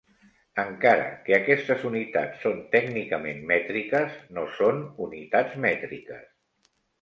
Encara que aquestes unitats són tècnicament mètriques, no són unitats mètriques.